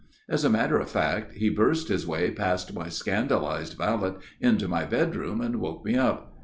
As a matter of fact, he burst his way past my scandalized valet into my bedroom and woke me up.